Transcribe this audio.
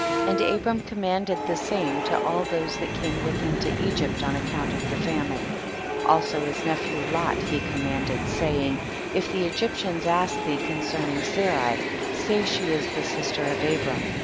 6. And Abram commanded the same to all those that came with iiim to Egypt on account of the famine ; also his nephew Lot he commanded, saying, if the Egyptians ask thee concerning tSarai say she is the sister of Abram.